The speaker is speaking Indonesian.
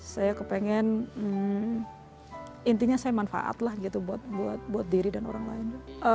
saya kepengen intinya saya manfaat lah gitu buat diri dan orang lain